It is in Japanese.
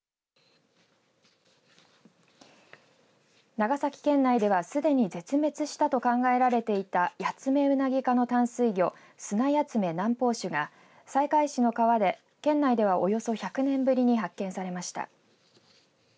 長崎県内ではすでに絶滅したと考えられていたヤツメウナギ科の淡水魚スナヤツメ南方種が西海市の川で県内では、およそ１００年ぶりに発見されました。